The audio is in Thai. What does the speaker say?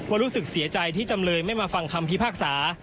รู้สึกเสียใจที่จำเลยไม่มาฟังคำพิพากษา